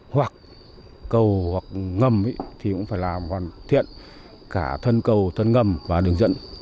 hoặc cầu hoặc ngầm thì cũng phải làm hoàn thiện cả thân cầu thân ngầm và đường dẫn